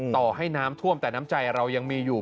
ต่อให้น้ำท่วมแต่น้ำใจเรายังมีอยู่